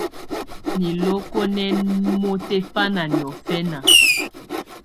Niloko nɛ́ mùtɛ̀fana niɔ̀fɛ̀na.